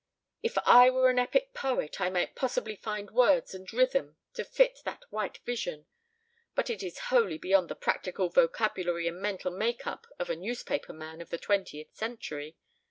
If I were an epic poet I might possibly find words and rhythm to fit that white vision, but it is wholly beyond the practical vocabulary and mental make up of a newspaper man of the twentieth century.